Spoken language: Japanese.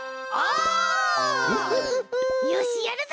よしやるぞ！